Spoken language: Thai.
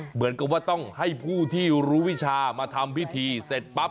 เหมือนกับว่าต้องให้ผู้ที่รู้วิชามาทำพิธีเสร็จปั๊บ